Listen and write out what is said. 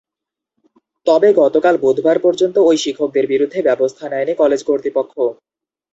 তবে গতকাল বুধবার পর্যন্ত ওই শিক্ষকদের বিরুদ্ধে ব্যবস্থা নেয়নি কলেজ কর্তৃপক্ষ।